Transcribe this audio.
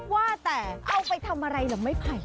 ว่าแต่เอาไปทำอะไรล่ะไม่ภาย